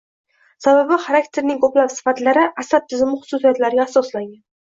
Sababi –xarakterning ko‘plab sifatlari asab tizimi xususiyatlariga asoslangan.